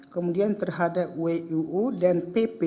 kemudian terhadap wiu dan pp